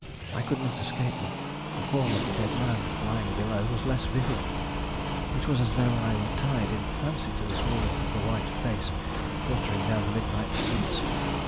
I could not escape them; the form of the dead man lying below was less vivid. It was as though I were tied in fancy to this woman of the white face fluttering down the midnight streets.